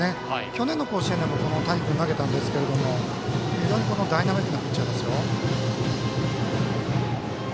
去年の甲子園でも谷君、投げたんですけど非常にダイナミックなピッチャーですよ。